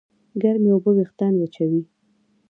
ګرمې اوبه وېښتيان وچوي.